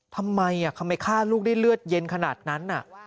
ทำไมทำไมฆ่าลูกได้เลือดเย็นขนาดนั้น